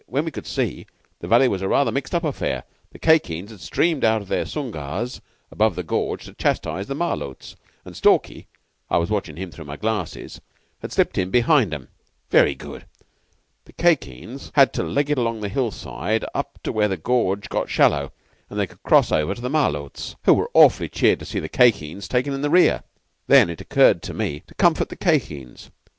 When we could see, the valley was rather a mixed up affair. The Khye Kheens had streamed out of their sungars above the gorge to chastise the Malôts, and Stalky I was watching him through my glasses had slipped in behind 'em. Very good. The Khye Kheens had to leg it along the hillside up to where the gorge got shallow and they could cross over to the Malôts, who were awfully cheered to see the Khye Kheens taken in the rear. "Then it occurred to me to comfort the Khye Kheens.